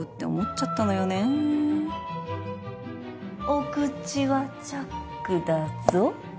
お口はチャックだぞ。